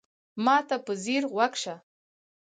ما ته په ځیر غوږ شه !